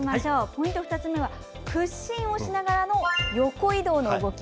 ポイント２つ目は屈伸をしながらの横移動の動き。